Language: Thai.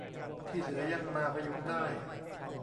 ที่เหลือยังมาพยุงได้